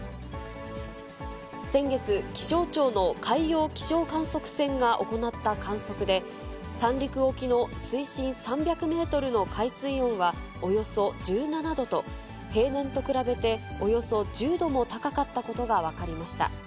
先月、気象庁の海洋気象観測船が行った観測で、三陸沖の水深３００メートルの海水温は、およそ１７度と、平年と比べておよそ１０度も高かったことが分かりました。